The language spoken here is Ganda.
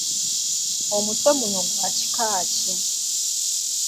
Omutwe guno gwa kika ki?